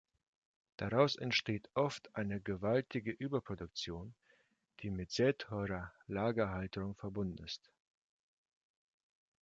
Daraus entsteht oft eine gewaltige Überproduktion, die mit sehr teurer Lagerhaltung verbunden ist.